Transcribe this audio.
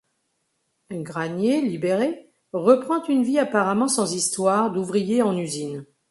Granier libéré, reprend une vie apparemment sans histoire d'ouvrier en usine.